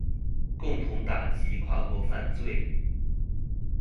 共同打擊跨國犯罪